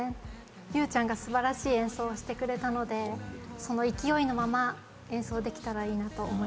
ゆうちゃんが素晴らしい演奏をしてくれたのでその勢いのまま演奏できたらいいなと思います。